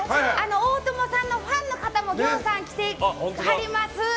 大友さんのファンの方もぎょうさん来てはります。